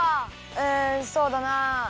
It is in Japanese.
うんそうだな。